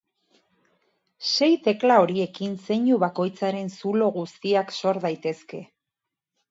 Sei tekla horiekin zeinu bakoitzaren zulo guztiak sor daitezke.